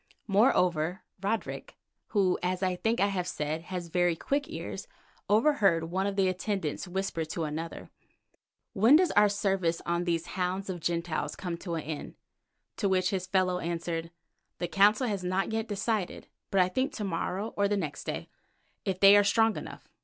Moreover, Roderick, who, as I think I have said, has very quick ears, overheard one of the attendants whisper to another: "When does our service on these hounds of Gentiles come to an end?" to which his fellow answered, "The Council has not yet decided, but I think to morrow or the next day, if they are strong enough.